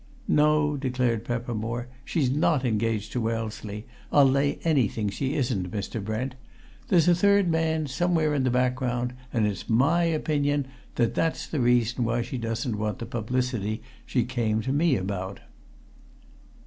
"No," declared Peppermore. "She's not engaged to Wellesley: I'll lay anything she isn't, Mr. Brent. There's a third man, somewhere in the background, and it's my opinion that that's the reason why she doesn't want the publicity she came to me about."